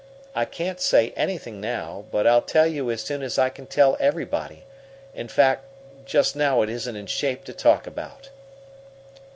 I can't say anything now, but I'll tell you as soon as I can tell everybody, in fact. Just now it isn't in shape to talk about."